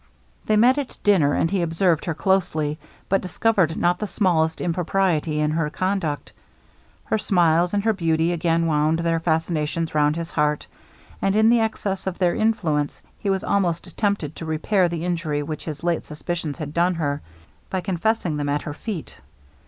They met at dinner, and he observed her closely, but discovered not the smallest impropriety in her conduct. Her smiles and her beauty again wound their fascinations round his heart, and in the excess of their influence he was almost tempted to repair the injury which his late suspicions had done her, by confessing them at her feet.